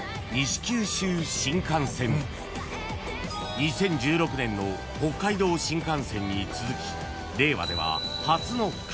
［２０１６年の北海道新幹線に続き］